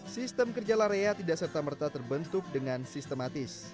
sistem kerja larea tidak serta merta terbentuk dengan sistematis